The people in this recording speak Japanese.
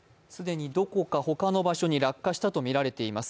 他の場所に落下したとみられています。